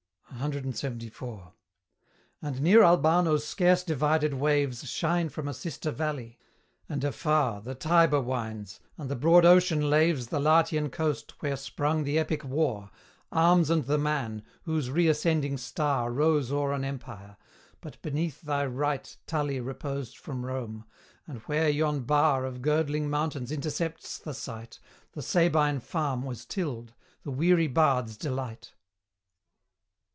CLXXIV. And near Albano's scarce divided waves Shine from a sister valley; and afar The Tiber winds, and the broad ocean laves The Latian coast where sprung the Epic war, 'Arms and the Man,' whose reascending star Rose o'er an empire, but beneath thy right Tully reposed from Rome; and where yon bar Of girdling mountains intercepts the sight, The Sabine farm was tilled, the weary bard's delight.